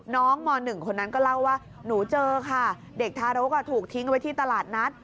ม๑คนนั้นก็เล่าว่าหนูเจอค่ะเด็กทารกถูกทิ้งไว้ที่ตลาดนัด